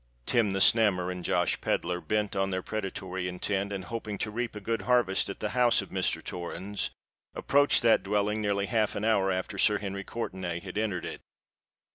Tim the Snammer and Josh Pedler, bent on their predatory intent, and hoping to reap a good harvest at the house of Mr. Torrens, approached that dwelling nearly half an hour after Sir Henry Courtenay had entered it.